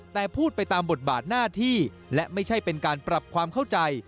แต่พูดไปตามบทบาทหน้าที่และไม่ใช่เป็นการปรับความเข้าใจ